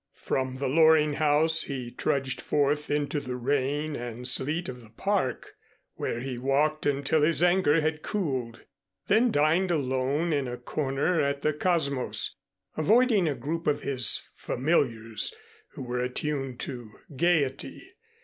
From the Loring house he trudged forth into the rain and sleet of the Park where he walked until his anger had cooled; then dined alone in a corner at the Cosmos, avoiding a group of his familiars who were attuned to gayety.